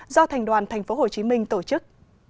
do thành đoàn tp hcm tổ chức